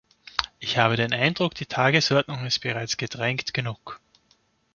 Ich habe den Eindruck, die Tagesordnung ist bereits gedrängt genug.